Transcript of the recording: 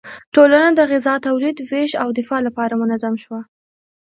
ټولنه د غذا تولید، ویش او دفاع لپاره منظم شوه.